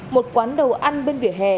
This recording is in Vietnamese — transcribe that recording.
một quán đầu ăn bên vỉa hè